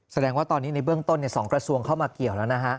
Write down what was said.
แสดงว่าตอนนี้ในเบื้องต้น๒กระทรวงเข้ามาเกี่ยวแล้วนะฮะ